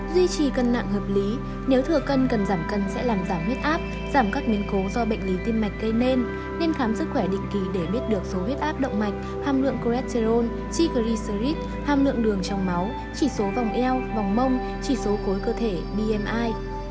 duy trì cân nặng hợp lý nếu thừa cân cần giảm cân sẽ làm giảm huyết áp giảm các biến cố do bệnh lý tim mạch gây nên khám sức khỏe định kỳ để biết được số huyết áp động mạch hàm lượng cholesterol chigric srit hàm lượng đường trong máu chỉ số vòng eo vòng mông chỉ số khối cơ thể bmi